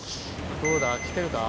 ・どうだ？来てるか？